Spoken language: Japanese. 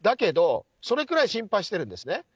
それくらい心配しているんですね。